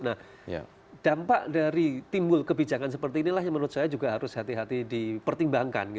nah dampak dari timbul kebijakan seperti inilah yang menurut saya juga harus hati hati dipertimbangkan